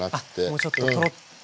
もうちょっとトロッと。